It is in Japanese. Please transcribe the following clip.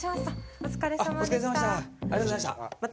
お疲れさまでした。